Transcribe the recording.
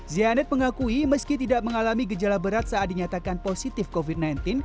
zianet mengakui meski tidak mengalami gejala berat saat dinyatakan positif covid sembilan belas